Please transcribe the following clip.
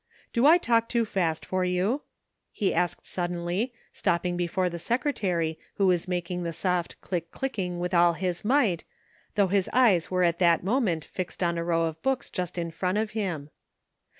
— Do I talk too fast for you ?" he asked suddenly, stopping be fore the secretary, who was making the soft ^' click, clicking " with all his might, though his eyes were at that moment fixed on a row of books just in front of him.